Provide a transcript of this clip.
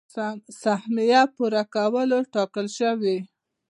سهميه پوره کولو ټاکل شوي.